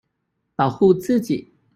保護自己